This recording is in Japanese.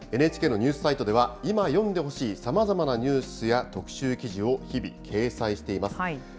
ＮＨＫのニュースサイトでは、今、読んでほしいさまざまなニュースや、特集記事を日々掲載しています。